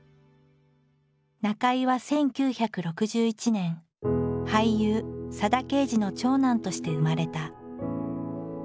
中井は１９６１年俳優佐田啓二の長男として生まれた。